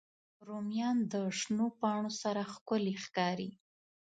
رومیان د شنو پاڼو سره ښکلي ښکاري